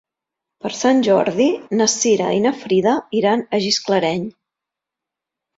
Per Sant Jordi na Cira i na Frida iran a Gisclareny.